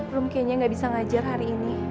room kayaknya gak bisa ngajar hari ini